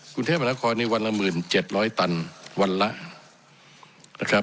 กุธเทพมหาละครเนี่ยวันละหมื่นเจ็ดร้อยตันวันละนะครับ